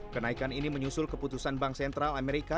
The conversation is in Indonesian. kenaikan ini menyusul keputusan bank sentral amerika